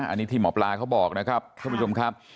อันนี้ที่หมอปลาเขาบอกนะครับท่านผู้ชมครับ